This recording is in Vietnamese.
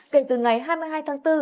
kể từ ngày hai mươi hai tháng bốn